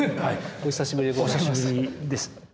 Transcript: お久しぶりです。